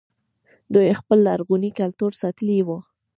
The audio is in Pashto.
دوی خپل لرغونی کلتور ساتلی و